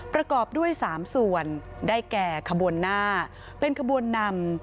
ประกอบด้วย๓ส่วนได้แก่ขบวนหน้าเป็นขบวนนำ